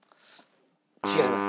違います。